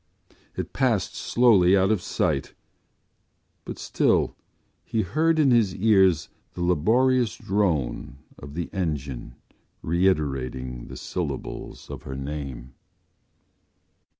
It passed slowly out of sight; but still he heard in his ears the laborious drone of the engine reiterating the syllables of her name.